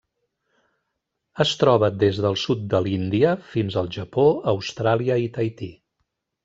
Es troba des del sud de l'Índia fins al Japó, Austràlia i Tahití.